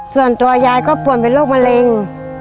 ส่วนตัวยายก็ป่วยเป็นโรคมะเร็ง